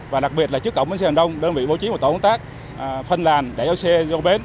và đặc biệt là trước cổng bến xe hành đông đơn vị bố trí một tổ ủng tác phân làn để ô xe do bến